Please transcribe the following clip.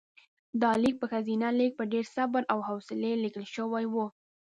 دا لیک په ښځینه لیک په ډېر صبر او حوصلې لیکل شوی و.